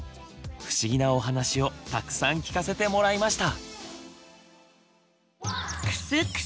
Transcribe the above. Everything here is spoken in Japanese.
不思議なお話をたくさん聞かせてもらいました。